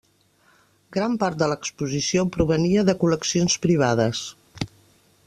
Gran part de l'exposició provenia de col·leccions privades.